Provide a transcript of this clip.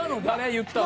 言ったの。